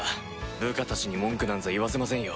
部下たちに文句なんざ言わせませんよ。